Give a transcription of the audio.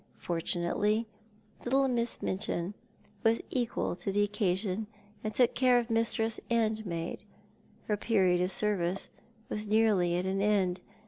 Fortunately little Miss Minchin was eqiial to the occasion, and took care of mistress and maid. Her period of service was nearly at an end.